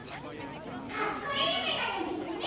かっこいいめがねですね。